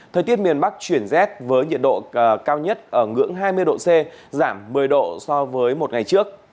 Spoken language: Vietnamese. thời tiết miền bắc chuyển rét với nhiệt độ cao nhất ở ngưỡng hai mươi độ c giảm một mươi độ so với một ngày trước